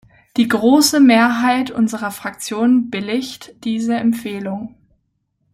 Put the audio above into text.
Die große Mehrheit unserer Fraktion billigt diese Empfehlung.